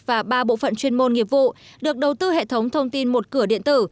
và ba bộ phận chuyên môn nghiệp vụ được đầu tư hệ thống thông tin một cửa điện tử